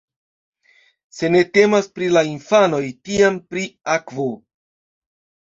Se ne temas pri la infanoj, tiam pri akvo.